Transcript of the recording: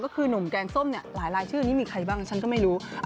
ก็คือหนุ่มแกงส้มเนี่ยหลายรายชื่อนี้มีใครบ้างฉันก็ไม่รู้